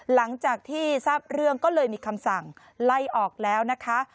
หลังจากที่ทราบเรื่องก็เลยมีคำสั่งไล่ออกแล้วนะคะ